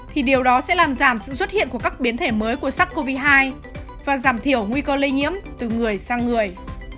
thì điều đó sẽ làm giảm sự xuất hiện của các biến thể mới của sars cov hai và giảm thiểu nguy cơ lây nhiễm từ người sang người